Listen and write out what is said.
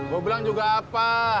gue bilang juga apa